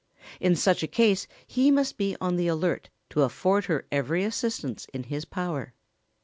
] In such a case he must be on the alert to afford her every assistance in his power.